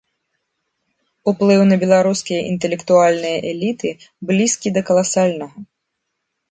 Уплыў на беларускія інтэлектуальныя эліты блізкі да каласальнага.